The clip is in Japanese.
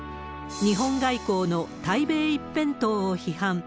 日本外交の対米一辺倒を批判。